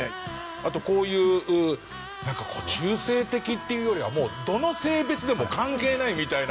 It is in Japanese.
あとこういうなんか中性的っていうよりはもうどの性別でも関係ないみたいな。